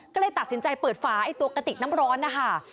ก็เลยตัดสินใจเปิดฝาไอ้ตัวกระติกน้ำร้อนนะคะ